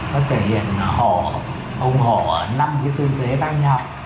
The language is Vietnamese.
nó thể hiện hổ ông hổ ở năm cái tư thế đa nhau